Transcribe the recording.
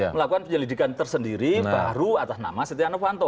melakukan penyelidikan tersendiri baru atas nama setia novanto